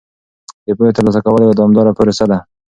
د پوهې ترلاسه کول یوه دوامداره پروسه ده.